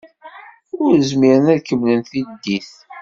Ur zmiren ad kemmlen tiddit.